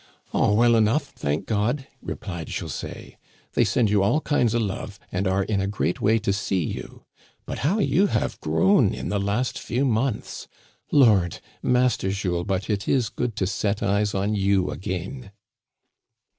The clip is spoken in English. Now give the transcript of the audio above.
" All well enough, thank God," replied José ;" they send you all kinds o' love, and are in a great way to see you. But how you have grown in the last few months ! Lord ! Master Jules, but it is good to set eyes on you again."